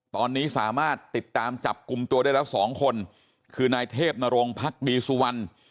ตอนนี้สามารถติดตามจับกลุ่มตัวได้แล้วสองคนคือนายเทพนรงพักดีสุวรรณ